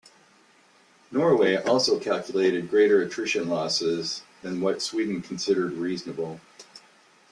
Norway also calculated greater attrition losses than what Sweden considered reasonable.